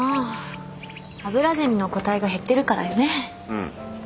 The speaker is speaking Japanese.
うん。